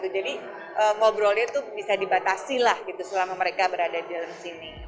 jadi ngobrolnya tuh bisa dibatasi lah gitu selama mereka berada di dalam sini